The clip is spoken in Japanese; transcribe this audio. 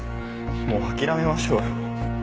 もう諦めましょうよ。